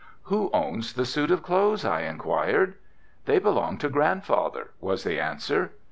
"Who owns the suit of clothes?" I inquired. "They belonged to grandfather," was the answer.